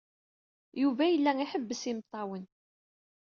Yuba yella iḥebbes imeṭṭawen.